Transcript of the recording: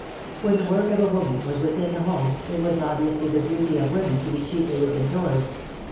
When the work of woman was within the home it was obviously the duty of women to be chiefly within doors.